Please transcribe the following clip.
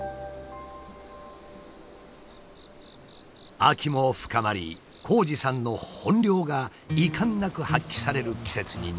秋も深まり紘二さんの本領が遺憾なく発揮される季節になりました。